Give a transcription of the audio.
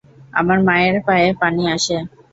আমার মায়ের পায়ে পানি আসে।